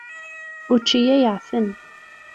Učči-ya yeεfen.